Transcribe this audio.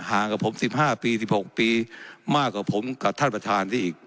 ห่างกับผมสิบห้าปีสิบหกปีมากกว่าผมกับท่านประธานที่อีก